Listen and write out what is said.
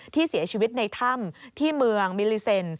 ที่เสียชีวิตในถ้ำที่เมืองมิลิเซ็น